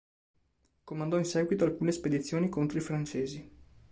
Comandò in seguito alcune spedizioni contro i francesi.